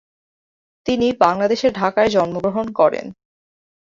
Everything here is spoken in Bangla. তিনি বাংলাদেশের ঢাকায় জন্মগ্রহণ করেন।